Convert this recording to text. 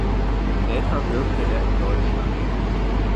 Später wirkte er in Deutschland.